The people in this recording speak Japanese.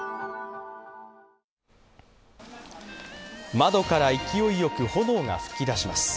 窓から勢いよく炎が噴き出します。